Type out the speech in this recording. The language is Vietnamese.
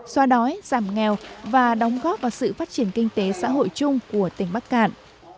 xoa đói giảm nghèo và đóng góp vào sự phát triển kinh tế xã hội chung của tỉnh bắc cạn